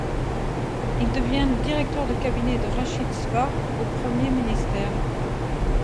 Il devient directeur de cabinet de Rachid Sfar au Premier ministère.